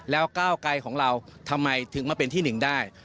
แล้วก้าวไกลของเราทำไมถึงมาเป็นที่หนึ่งได้